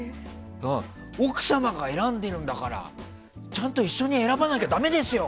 奥様が選んでるんだからちゃんと一緒に選ばなきゃだめですよ！